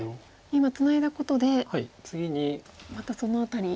今ツナいだことでまたその辺り。